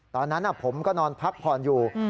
ตอนนั้นผมก็นอนพักผ่อนอยู่